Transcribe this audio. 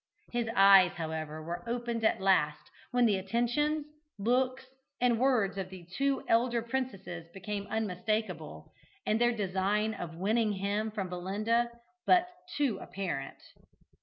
His eyes, however, were opened at last, when the attentions, looks, and words of the two elder princesses became unmistakable, and their design of winning him from Belinda but too apparent.